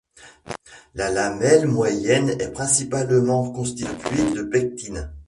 La lamelle moyenne est principalement constituée de pectine.